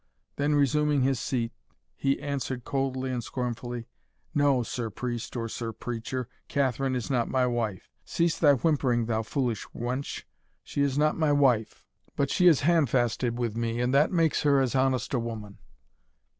then resuming his seat, he answered coldly and scornfully "No, Sir Priest or Sir Preacher, Catherine is not my wife Cease thy whimpering, thou foolish wench she is not my wife, but she is handfasted with me, and that makes her as honest a woman."